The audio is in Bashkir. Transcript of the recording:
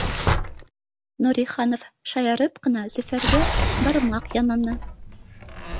Нуриханов шаярып ҡына Зөфәргә бармаҡ янаны